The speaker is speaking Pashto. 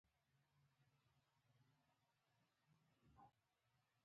لمسی د خوږو میوهجاتو سره مینه لري.